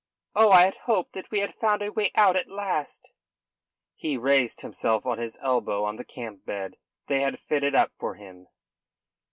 "Oh, I had hoped that we had found a way out at last." He raised himself on his elbow on the camp bed they had fitted up for him.